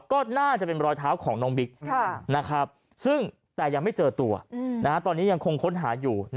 ก็น่าจะเป็นรอยเท้าของน้องบิ๊กซึ่งแต่ยังไม่เจอตัวตอนนี้ยังคงค้นหาอยู่